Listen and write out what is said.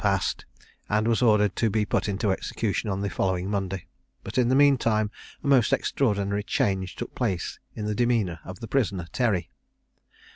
_] passed, and was ordered to be put into execution on the following Monday; but in the mean time a most extraordinary change took place in the demeanour of the prisoner Terry.